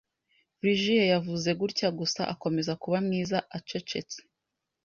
Virgil yavuze gutya gusa akomeza kuba mwiza acecetse